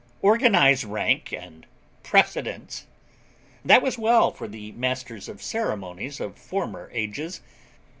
Organize rank and precedence! that was well for the masters of ceremonies of former ages.